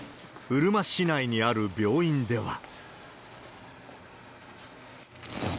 うるま市内にある病院では。